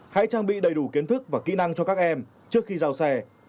hãy trang bị đầy đủ kiến thức và kỹ năng cho các em trước khi giao xe